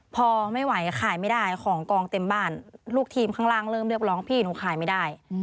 พอไม่ไหวขายไม่ได้ของกองเต็มบ้านลูกทีมข้างล่างเริ่มเรียกร้องพี่หนูขายไม่ได้